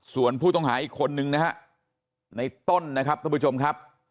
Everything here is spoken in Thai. ส่วนผู้ต้องหาอีกคนนึงนะฮะในต้นนะครับท่านผู้ชมครับ